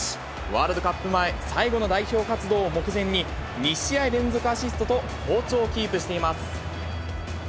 ワールドカップ前、最後の代表活動を目前に、２試合連続アシストと、好調をキープしています。